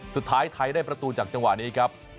สุดท้ายไทยได้ประตูจากจังหวะนี้ครับ